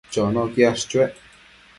Chono quiash chuec